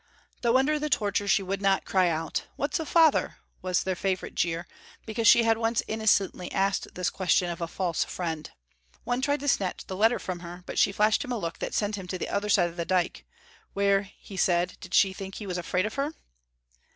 Though under the torture she would not cry out. "What's a father?" was their favorite jeer, because she had once innocently asked this question of a false friend. One tried to snatch the letter from her, but she flashed him a look that sent him to the other side of the dyke, where, he said, did she think he was afraid of her?